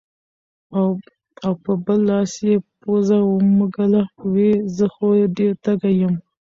او پۀ بل لاس يې پوزه ومږله وې زۀ خو ډېر تږے يم